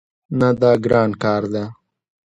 نه، دا ګران کار ده